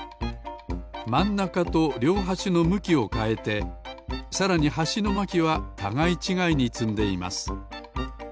まんなかとりょうはしのむきをかえてさらにはしのまきはたがいちがいにつんでいます。